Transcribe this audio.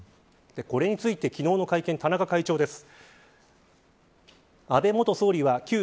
これについて昨日の会見、田中会長です。